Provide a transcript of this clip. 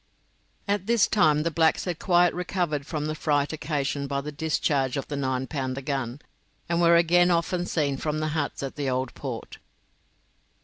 At this time the blacks had quite recovered from the fright occasioned by the discharge of the nine pounder gun, and were again often seen from the huts at the Old Port.